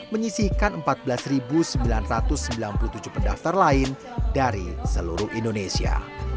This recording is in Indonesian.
menyisihkan empat belas sembilan ratus sembilan puluh tujuh pendaftar lain dari seluruh indonesia